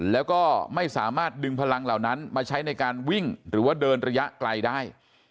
แล้วก็ไม่สามารถดึงพลังเหล่านั้นมาใช้ในการวิ่งหรือว่าเดินระยะไกลได้